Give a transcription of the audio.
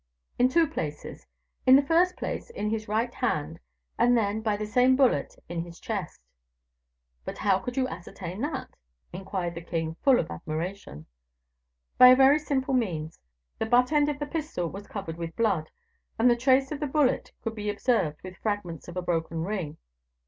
"In two places; in the first place, in his right hand, and then, by the same bullet, in his chest." "But how could you ascertain that?" inquired the king, full of admiration. "By a very simple means; the butt end of the pistol was covered with blood, and the trace of the bullet could be observed, with fragments of a broken ring.